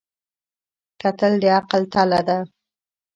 کتل د عقل تله ده